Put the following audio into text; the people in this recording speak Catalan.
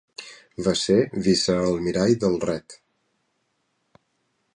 Va ser vicealmirall del Red.